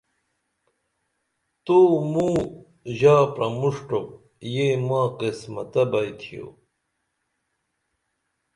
تو موں ژا پرمُݜٹوپ یہ ما قسمتہ بئی تھیو